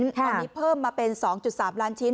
ตอนนี้เพิ่มมาเป็น๒๓ล้านชิ้น